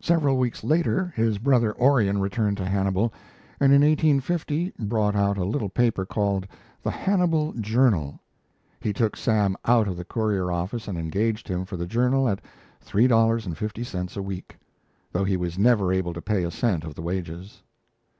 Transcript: Several weeks later his brother Orion returned to Hannibal, and in 1850 brought out a little paper called the 'Hannibal Journal.' He took Sam out of the Courier office and engaged him for the Journal at $3.50 a week though he was never able to pay a cent of the wages.